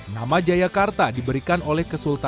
nama jayakarta diberikan oleh kesultanan